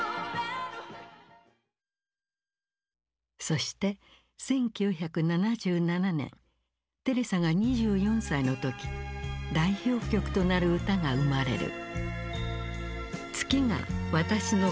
そして１９７７年テレサが２４歳の時代表曲となる歌が生まれる。